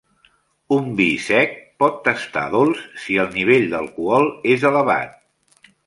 Un vi sec pot tastar dolç si el nivell d'alcohol és elevat.